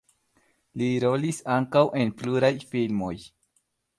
Li rolis ankaŭ en pluraj filmoj.